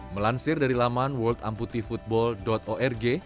melansir dari laman worldamputifootball org